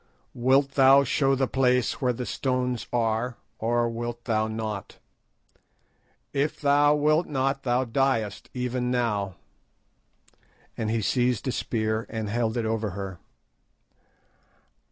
"Wilt thou show the place where the stones are, or wilt thou not? If thou wilt not thou diest, even now," and he seized a spear and held it over her.